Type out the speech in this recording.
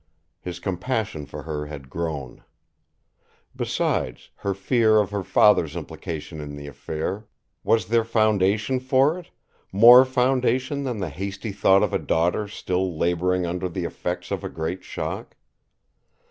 His compassion for her had grown. Besides, her fear of her father's implication in the affair was there foundation for it, more foundation than the hasty thought of a daughter still labouring under the effects of a great shock?